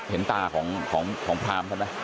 เห็นตาของพราหมณ์ใช่ไหม